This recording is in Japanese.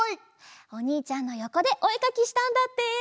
おにいちゃんのよこでおえかきしたんだって。